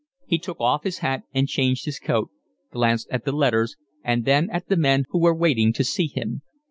He took off his hat and changed his coat, glanced at the letters and then at the men who were waiting to see him.